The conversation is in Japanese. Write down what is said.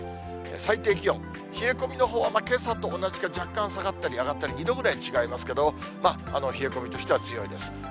最低気温、冷え込みのほうはけさと同じか、若干下がったり上がったり、２度ぐらい違いますけれども、冷え込みとしては強いです。